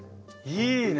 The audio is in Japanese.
いいね。